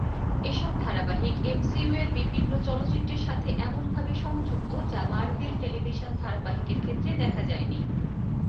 এসব ধারাবাহিক "এমসিইউ"র বিভিন্ন চলচ্চিত্রের সাথে এমনভাবে সংযুক্ত যা মার্ভেল টেলিভিশন ধারাবাহিকের ক্ষেত্রে দেখা যায়নি।